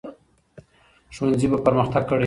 ښوونځي به پرمختګ کړی وي.